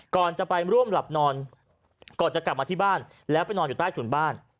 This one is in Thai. ก่อนจะไปร่วมหลับนอนก่อนจะกลับมาที่บ้านแล้วไปนอนอยู่ใต้ถุนบ้าน